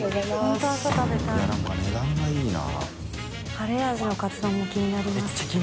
カレー味のかつ丼も気になります。